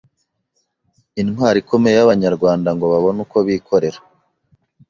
intwaro ikomeye y‘Abanyarwanda ngo babone uko bikorera